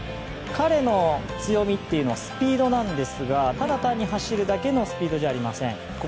彼の強みというのはスピードなんですがただ単に走るだけのスピードじゃありません。